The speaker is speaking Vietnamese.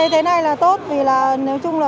thế này là tốt vì nếu chung là